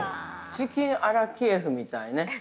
◆チキンアラキエフみたいね。